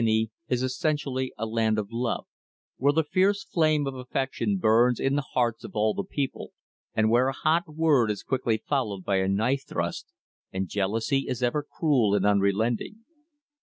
Tuscany is essentially a land of love, where the fierce flame of affection burns in the hearts of all the people, and where a hot word is quickly followed by a knife thrust, and jealousy is ever cruel and unrelenting.